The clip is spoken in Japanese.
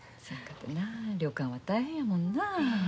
そやかてな旅館は大変やもんなあ。